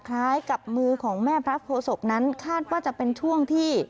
คล้ายกับมือของแม่พระโพศพนั้นคาดว่าจะเป็นช่วงที่